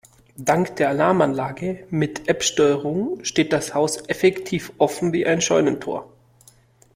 Dank der Alarmanlage mit App-Steuerung steht das Haus effektiv offen wie ein Scheunentor.